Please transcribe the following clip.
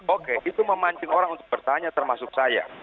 oke itu memancing orang untuk bertanya termasuk saya